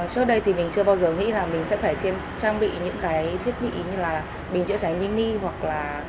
trước đây thì mình chưa bao giờ nghĩ là mình sẽ phải trang bị những cái thiết bị như là bình chữa cháy mini hoặc là